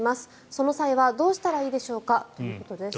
その際はどうしたらいいでしょうかということです。